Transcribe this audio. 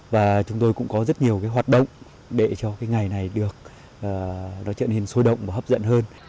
và chúng tôi cũng có rất nhiều hoạt động để cho ngày này trở nên sôi động và hấp dẫn hơn